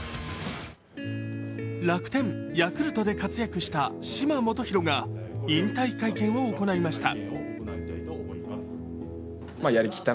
楽天、ヤクルトで活躍した嶋基宏が引退会見を行いました。